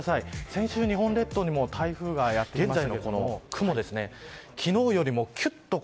先週日本列島にも台風がやってきました。